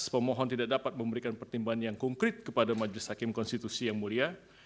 pemohon tidak dapat memberikan pertimbangan yang konkret kepada majelis hakim konstitusi yang mulia